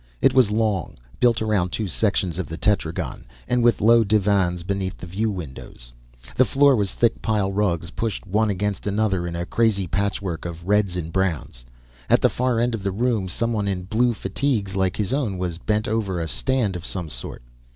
It was long, built around two sections of the tetragon, and with low divans beneath the view windows. The floor was thick pile rugs pushed one against another in a crazy patchwork of reds and browns. At the far end of the room, someone in blue fatigues like his own was bent over a stand of some sort.